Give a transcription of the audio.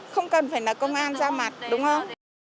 không cần phải là công an ra mặt đúng không